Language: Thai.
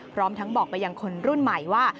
พร้อมทั้งบอกไปยังคนรุ่นใหม่ว่า